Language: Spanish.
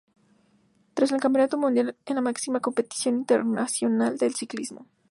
Tras el Campeonato Mundial, es la máxima competición internacional de ciclismo.